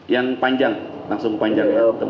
yang panjang langsung panjang